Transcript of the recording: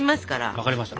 分かりました。